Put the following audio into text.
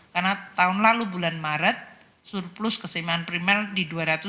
karena tahun lalu bulan maret surplus keseimbangan primer di dua ratus dua puluh delapan